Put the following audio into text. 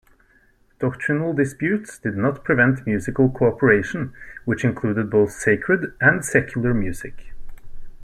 Doctrinal disputes did not prevent musical cooperation, which included both sacred and secular music.